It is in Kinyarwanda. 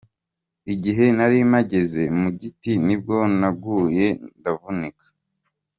Igihe narimpagaze mugiti nibwo naguye ndavunika.